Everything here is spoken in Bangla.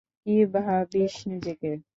কী ভাবিস নিজেকে?